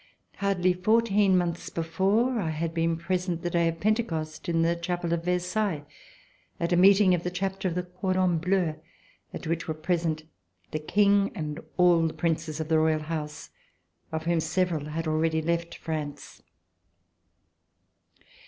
Hardly fourteen months before, I had been present the day of Pente cost in the Chapel of Versailles, at a meeting of the chapter of the cordons bleus, at which were present the King and all the Princes of the Royal House, of whom several had already left France.